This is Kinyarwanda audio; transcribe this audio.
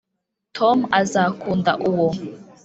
tom azakunda uwo.